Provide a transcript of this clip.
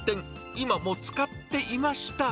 今も使っていました。